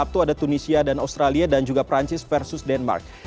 sabtu ada tunisia dan australia dan juga perancis versus denmark